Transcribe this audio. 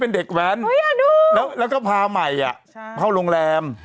เป็นการกระตุ้นการไหลเวียนของเลือด